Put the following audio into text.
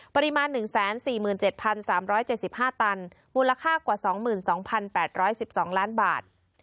ปริมาณ๑๔๗๓๗๕ตันมูลค่ากว่า๒๒๘๑๒ล้านบาท